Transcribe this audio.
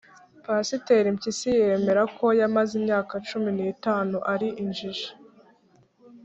Pasiteri Mpyisi yemera ko yamaze imyaka cumi n’itanu ari injiji